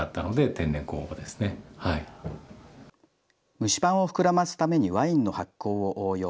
蒸しパンを膨らますために、ワインの発酵を応用。